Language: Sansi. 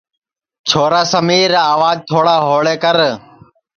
چھورا سمیر آواج تھوڑا ہوݪے کر